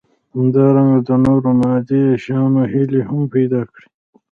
همدارنګه د نورو مادي شيانو هيلې هم پيدا کړي.